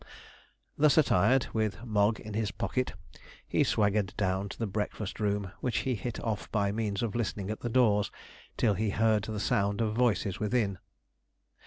Thus attired, with Mogg in his pocket, he swaggered down to the breakfast room, which he hit off by means of listening at the doors till he heard the sound of voices within.